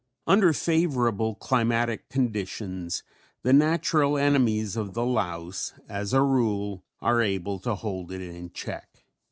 Under favorable climatic conditions the natural enemies of the louse as a rule are able to hold it in check.